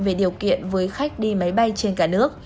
về điều kiện với khách đi máy bay trên cả nước